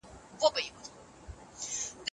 کباب د اور په سرو ایرو کې په خوند پخېده.